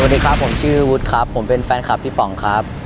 สวัสดีครับผมชื่อวุฒิครับผมเป็นแฟนคลับพี่ป๋องครับ